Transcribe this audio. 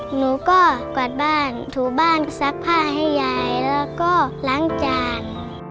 หนูก็กวาดบ้านถูบ้านซักผ้าให้ยายแล้วก็ล้างจาน